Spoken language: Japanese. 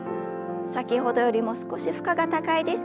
先ほどよりも少し負荷が高いです。